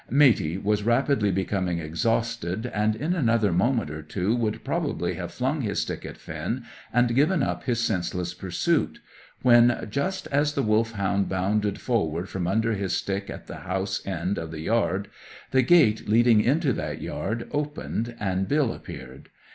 Matey was rapidly becoming exhausted, and in another moment or two would probably have flung his stick at Finn and given up his senseless pursuit, when, just as the Wolfhound bounded forward from under his stick at the house end of the yard, the gate leading into that yard opened, and Bill appeared.